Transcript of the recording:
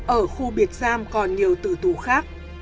ở khu biệt giam còn nhiều tử tù khác